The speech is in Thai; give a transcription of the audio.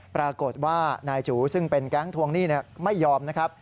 ปรากฏว่านายจูซึ่งเป็นแก๊งทวงหนี้ไม่ยอมนะครับ